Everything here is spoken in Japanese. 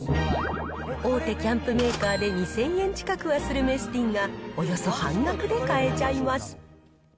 大手キャンプメーカーで２０００円近くはするメスティンが、およそ半額で買えちゃいます。